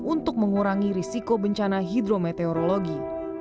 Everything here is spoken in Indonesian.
untuk mengurangi risiko bencana hidrometeorologi